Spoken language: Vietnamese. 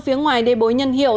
phía ngoài đề bối nhân hiệu